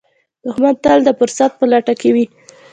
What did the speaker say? دښمن تل د فرصت په لټه کې وي